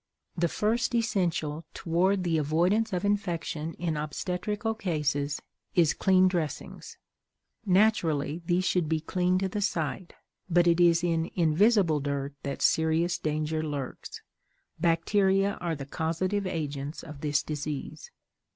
The first essential toward the avoidance of infection in obstetrical cases is clean dressings. Naturally, these should be clean to the sight, but it is in invisible dirt that serious danger lurks; bacteria are the causative agents of this disease.